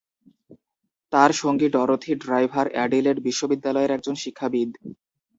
তার সঙ্গী Dorothy driver Adelaide বিশ্ববিদ্যালয়ের একজন শিক্ষাবিদ।